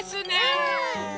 うん！